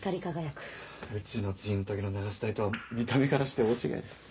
うちのジントギの流し台とは見た目からして大違いです。